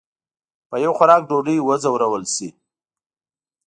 په یو خوراک ډوډۍ وځورول شي.